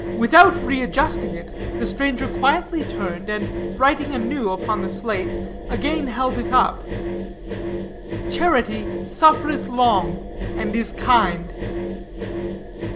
Without readjusting it, the stranger quietly turned, and writing anew upon the slate, again held it up: "Charity suffereth long, and is kind."